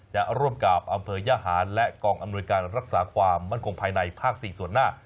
จะร่วมกับอำเภอย่าหารและกองอำนวยการรักษาความมั่นคงภายในภาค๔ส่วนหน้า